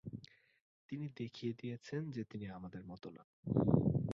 তিনি দেখিয়ে দিয়েছেন যে তিনি আমাদের মত না।